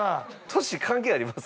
年関係あります？